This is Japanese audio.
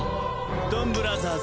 ドンブラザーズ。